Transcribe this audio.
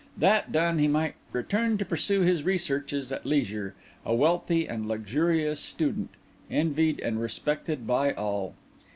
That done, he might return to pursue his researches at leisure, a wealthy and luxurious student, envied and respected by all.